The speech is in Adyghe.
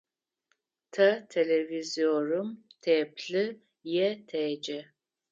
Тэ телевизорым теплъы е теджэ.